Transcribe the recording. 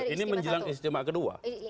ini menjelang istimewa kedua